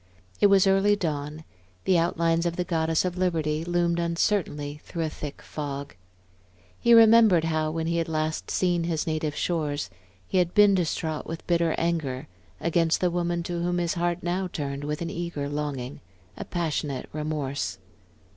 It was early dawn; the outlines of the Goddess of Liberty loomed uncertainly through a thick fog. He remembered how, when he had last seen his native shores, he had been distraught with bitter anger against the woman to whom his heart now turned with an eager longing, a passionate remorse.